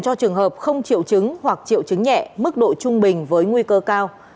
cho trường hợp không triệu chứng hoặc triệu chứng nhẹ mức độ trung bình với nguy cơ cao